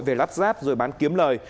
về lắp ráp rồi bán kiếm lời